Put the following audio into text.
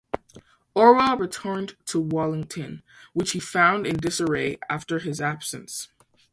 Orwell returned to Wallington, which he found in disarray after his absence.